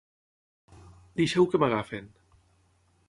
Deixeu que m'agafin.